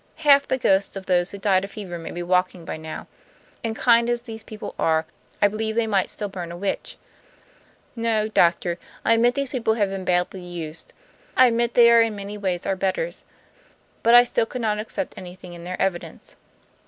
Half the ghosts of those who died of fever may be walking by now; and kind as these people are, I believe they might still burn a witch. No, doctor, I admit these people have been badly used, I admit they are in many ways our betters, but I still could not accept anything in their evidence."